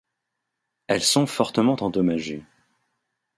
Elles sont fortement endommagées.